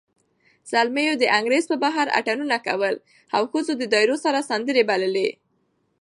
زلمیو د انګړ نه بهر اتڼونه کول، او ښځو د دایرو سره سندرې بللې.